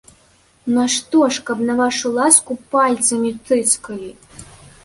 Нашто ж, каб на вашу ласку пальцамі тыцкалі.